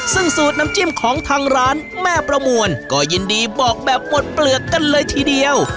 ซึ่งสูตรน้ำจิ้มของทางร้านแม่ประมวลก็ยินดีบอกแบบหมดเปลือกกันเลยทีเดียว